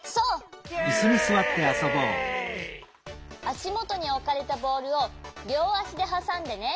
あしもとにおかれたボールをりょうあしではさんでね。